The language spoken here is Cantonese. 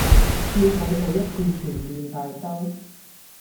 叫佢做一次全面大修